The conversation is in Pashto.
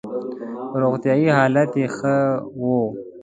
روغتیايي حالت یې ښه وو.